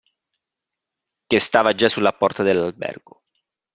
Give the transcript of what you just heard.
Che stava già sulla porta dell'albergo.